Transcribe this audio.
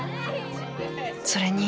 それに